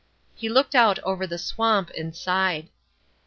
He looked out over the swamp and sighed.